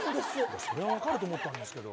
それは分かると思ったんですけど。